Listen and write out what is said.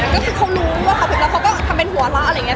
เขารู้ว่าเขาทำเป็นหัวละอะไรอย่างนี้